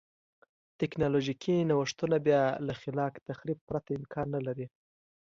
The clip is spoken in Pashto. ټکنالوژیکي نوښتونه بیا له خلاق تخریب پرته امکان نه لري.